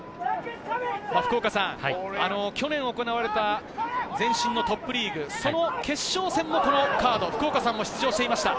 福岡さん、去年行われた前身のトップリーグ、その決勝戦もこのカード、福岡さんも出場していました。